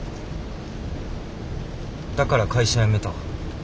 だから会社辞めた。